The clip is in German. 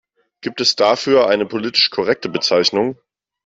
Gibt es dafür eine politisch korrekte Bezeichnung?